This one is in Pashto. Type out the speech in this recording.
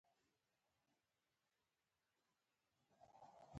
ژوندي دعا کوي